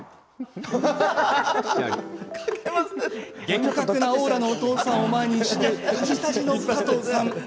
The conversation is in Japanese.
厳格なオーラのお父さんを前にして、たじたじの加藤さん。